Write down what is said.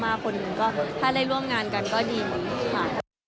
คนหนึ่งก็ถ้าได้ร่วมงานกันก็ดีค่ะ